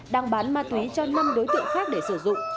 đang bán ma túy cho năm đối tượng khác để sử dụng